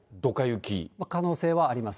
可能性はあります。